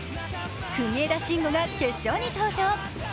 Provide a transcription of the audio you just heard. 国枝慎吾が決勝に登場。